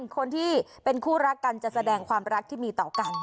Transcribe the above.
คนที่เป็นคู่รักกันจะแสดงความรักที่มีต่อกัน